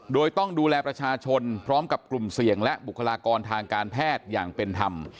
โดยต้องดูแลประชาชนพร้อมกับกลุ่มเสี่ยงและบุคลากรทางการแพทย์อย่างเป็นธรรม